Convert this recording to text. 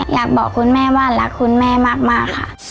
อยากบอกคุณแม่ว่ารักคุณแม่มากค่ะ